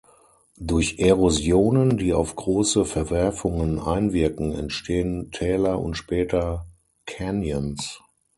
Durch Erosionen, die auf große Verwerfungen einwirken, entstehen Täler und später Canyons.